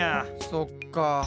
そっか。